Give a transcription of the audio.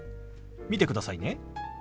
見てくださいね。